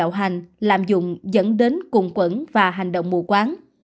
bạo hành làm dùng dẫn đến cùng quẩn và hành động mù quán